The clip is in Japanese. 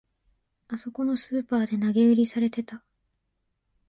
あそこのスーパーで投げ売りされてた